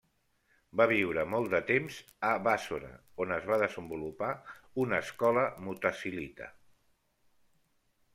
Va viure molt de temps a Bàssora on es va desenvolupar una escola mutazilita.